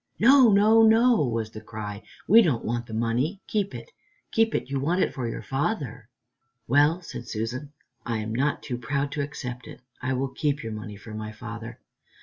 no! no!" was the cry, "we don't want the money keep it keep it you want it for your father." "Well," said Susan, "I am not too proud to accept it. I will keep your money for my father.